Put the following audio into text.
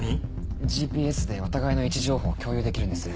ＧＰＳでお互いの位置情報を共有できるんです。